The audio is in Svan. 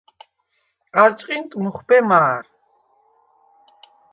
ალ ჭყინტ მუხვბე მა̄რ.